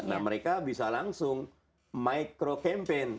nah mereka bisa langsung micro campaign